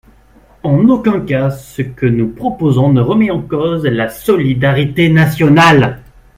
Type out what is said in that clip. En aucun cas ce que nous proposons ne remet en cause la solidarité nationale.